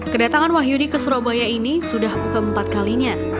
kedatangan wahyudi ke surabaya ini sudah keempat kalinya